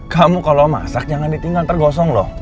kamu kalau masak jangan ditinggal tergolong loh